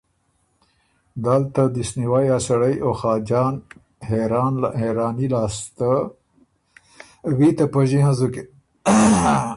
دل ته دِست نیوئ ا سړئ او خاجان حېراني لاسته ویته پݫی هںزُکِن